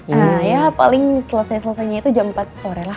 nah ya paling selesai selesainya itu jam empat sore lah